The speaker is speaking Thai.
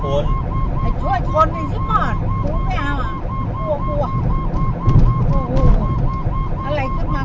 ผู้ชีพเราบอกให้สุจรรย์ว่า๒